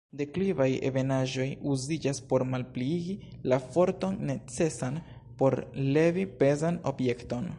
Deklivaj ebenaĵoj uziĝas por malpliigi la forton necesan por levi pezan objekton.